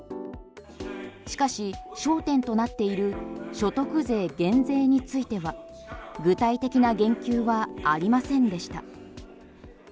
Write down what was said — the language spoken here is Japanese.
しかし、焦点となっている所得税減税については具体的な言及はありませんでした。